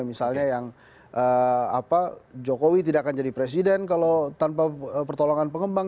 misalnya yang jokowi tidak akan jadi presiden kalau tanpa pertolongan pengembang